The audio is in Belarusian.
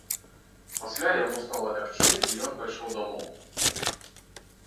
Пасля яму стала лягчэй, і ён пайшоў дамоў.